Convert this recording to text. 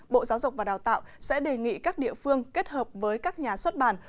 bộ giáo dục và đào tạo sẽ đề nghị các địa phương kết hợp với các nhà xuất bản